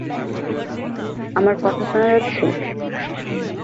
আমার কথা শোনা যাচ্ছে?